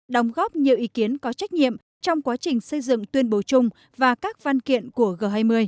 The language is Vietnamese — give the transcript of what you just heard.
đóng góp nhiều ý kiến có trách nhiệm trong quá trình xây dựng tuyên bố chung và các văn kiện của g hai mươi